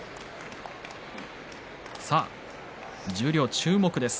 さあ十両注目です。